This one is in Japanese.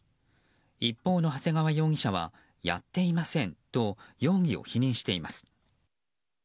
一方の長谷川容疑者はやっていませんと容疑を否認しています。